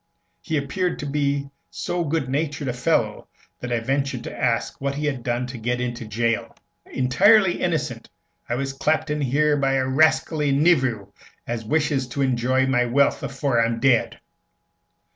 He appeared to be so good natured a fellow that I ventured to ask what he had done to get into jail. "Intirely innocent. I was clapped in here by a rascally nevew as wishes to enjoy my wealth afore I'm dead.'